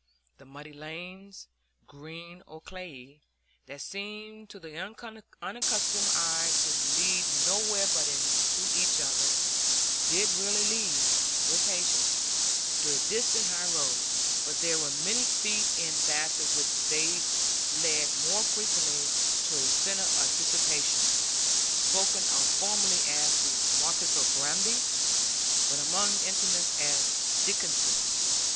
The muddy lanes, green or clayey, that seemed to the unaccustomed eye to lead nowhere but into each other, did really lead, with patience, to a distant high road; but there were many feet in Basset which they led more frequently to a centre of dissipation, spoken of formerly as the "Markis o' Granby," but among intimates as "Dickison's."